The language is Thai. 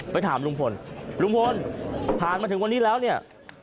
ถามลุงพลลุงพลผ่านมาถึงวันนี้แล้วเนี่ย